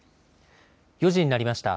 ４時になりました。